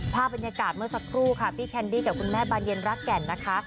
ภาพบรรยากาศเมื่อสักครู่ค่ะพี่แคนดี้กับคุณแม่บานเย็นรักแก่นนะคะ